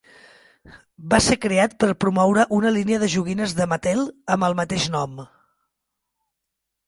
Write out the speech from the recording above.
Va ser creat per promoure una línia de joguines de Mattel amb el mateix nom.